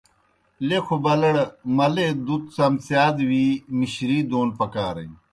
لیکھوْ بالڑ ملے دُت څَمڅِیا دہ وی مِشری دون پکارن۔